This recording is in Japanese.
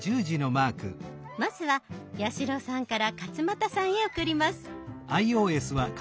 まずは八代さんから勝俣さんへ送ります。